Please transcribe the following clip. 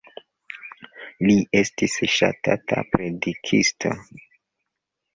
Li estis ŝatata predikisto.